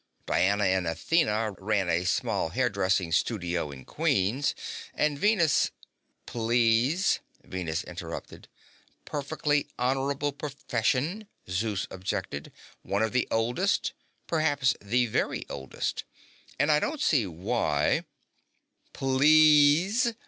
Diana and Athena ran a small hairdressing studio in Queens. And Venus " "Please," Venus interrupted. "Perfectly honorable profession," Zeus objected. "One of the oldest. Perhaps the very oldest. And I don't see why " "Please!"